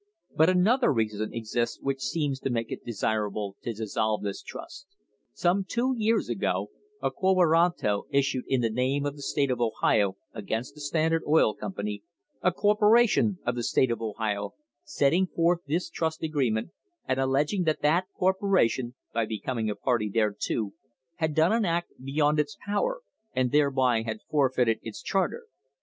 " But another reason exists which seems to make it desirable to dissolve this trust. THE BREAKING UP OF THE TRUST Some two years ago a quo warrants issued in the name of the state of Ohio against the Standard Oil Company, a corporation of the state of Ohio, setting forth this trust agreement and alleging that that corporation, by becoming a party thereto, had done an act beyond its power, and thereby had forfeited its charter.